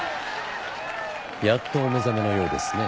やっとお目覚めのようですね。